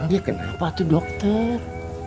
ya kenapa tuh dokter